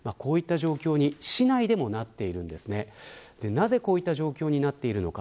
なぜこういった状況になっているのか